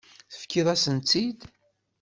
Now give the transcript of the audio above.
Tefkiḍ-asent-tt-id.